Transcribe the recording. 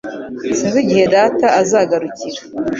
Sinzi igihe data azagarukira